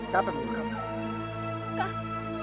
siapa yang menyerang kamu